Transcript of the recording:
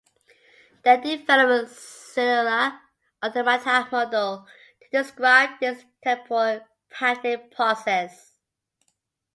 They developed Cellular Automata model to describe this temporal patterning process.